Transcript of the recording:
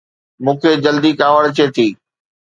مون کي جلدي ڪاوڙ اچي ٿي